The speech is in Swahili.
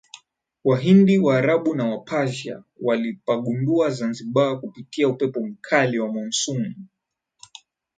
Wahindi waarabu na wa Persia walipagundua Zanzibar kwa kupitia upepo mkali wa Monsoon